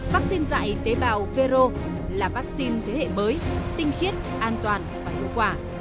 vắc xin dạy tế bào vero là vắc xin thế hệ mới tinh khiết an toàn và hiệu quả